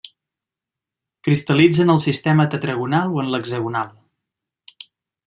Cristal·litza en el sistema tetragonal o en l'hexagonal.